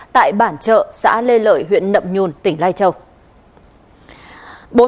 tại bản chợ xã lê lợi huyện nậm nhùn tỉnh lai châu